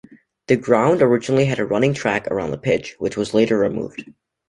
The ground originally had a running track around the pitch, which was later removed.